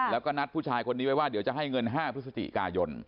แล้วก็นัดผู้ชายคนนี้ไว้ว่าเดี๋ยวจะให้เงิน๕พฤศจิกายน